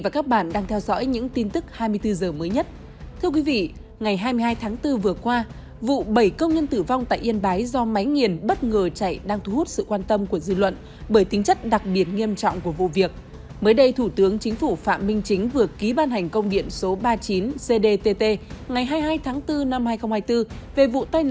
các bạn hãy đăng ký kênh để ủng hộ kênh của chúng mình nhé